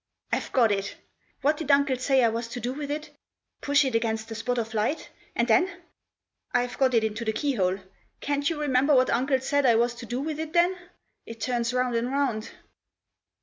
" I've got it ! What did uncle say I was to do with it ? Push it against the spot of light — and then ? I've got it into the keyhole ; can't you remember what uncle said I was to do with it then ? It turns round and round."